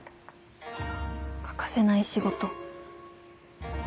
欠かせない仕事。